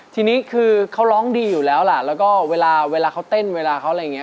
ทีนี้คือเขาร้องดีอยู่แล้วล่ะแล้วก็เวลาเวลาเขาเต้นเวลาเขาอะไรอย่างนี้